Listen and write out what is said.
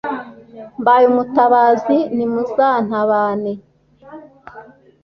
Mbaye umutabazi ntimuzantabane